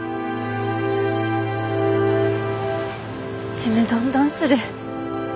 ちむどんどんする。